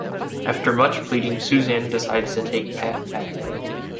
After much pleading, Susan decides to take Pat back.